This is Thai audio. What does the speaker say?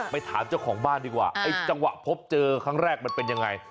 ไปถามเจ้าของบ้านดีกว่าไอ้จังหวะพบเจอครั้งแรกมันเป็นยังไง